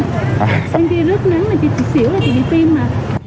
bên kia rất nắng là chị xỉu là chị bị tim mà